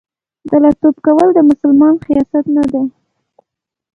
دله توب کول د مسلمان خاصیت نه دی.